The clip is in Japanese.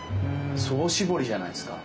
総絞りじゃないですか？